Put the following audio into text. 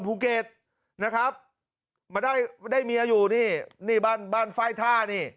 ภูเก็ตนะครับมาได้ได้เมียอยู่นี่นี่บ้านบ้านไฟล์ท่านี่